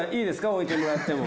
置いてもらっても。